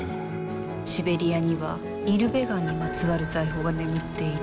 シベリアにはイルベガンにまつわる財宝が眠っている。